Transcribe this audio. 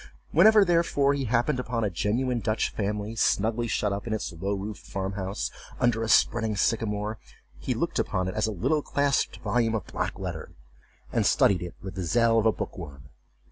Whenever, therefore, he happened upon a genuine Dutch family, snugly shut up in its low roofed farmhouse, under a spreading sycamore, he looked upon it as a little clasped volume of black letter, and studied it with the zeal of a book worm.